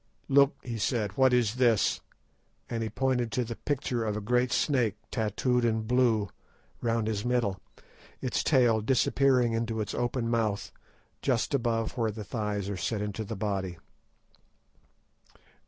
"Look," he said; "what is this?" and he pointed to the picture of a great snake tattooed in blue round his middle, its tail disappearing into its open mouth just above where the thighs are set into the body.